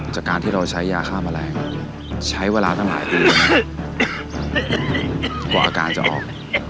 จากการที่เราใช้ยาฆ่าแมลงใช้เวลาตั้งหลายปีกว่าอาการจะออก